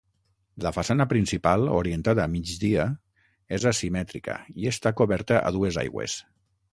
La façana principal, orientada a migdia, és asimètrica i està coberta a dues aigües.